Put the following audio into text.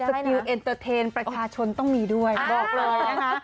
กิลเอ็นเตอร์เทนประชาชนต้องมีด้วยบอกเลยนะคะ